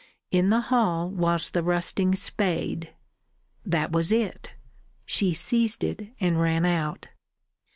In the hall was the rusting spade. That was it! She seized it and ran out.